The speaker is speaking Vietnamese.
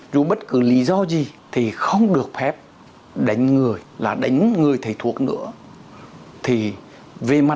dù bất cứ lý do gì thì không được phép đánh người là đánh người thầy thuốc nữa